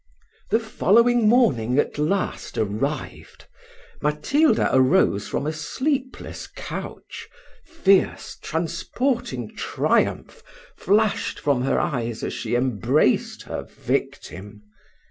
The following morning at last arrived: Matilda arose from a sleepless couch fierce, transporting triumph, flashed from her eyes as she embraced her victim.